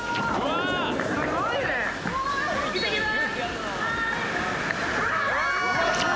行ってきます。